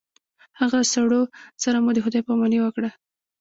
هغه سړو سره مو د خداے په اماني وکړه